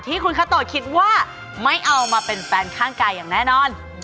ที่คุณคาโตคิดว่าไม่เอามาเป็นแฟนข้างกายอย่างแน่นอน